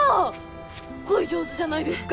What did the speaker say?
すっごい上手じゃないですか。